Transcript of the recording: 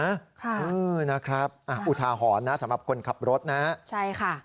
ค่ะนะครับอุทาหอนนะสำหรับคนขับรถนะ